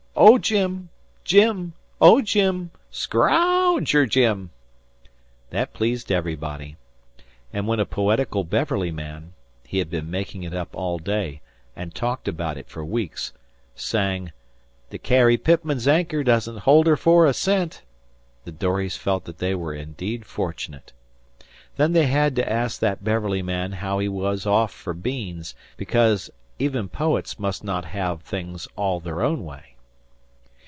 O Jim! Jim! O Jim! Sssscrowger Jim!" That pleased everybody. And when a poetical Beverly man he had been making it up all day, and talked about it for weeks sang, "The Carrie Pitman's anchor doesn't hold her for a cent" the dories felt that they were indeed fortunate. Then they had to ask that Beverly man how he was off for beans, because even poets must not have things all their own way.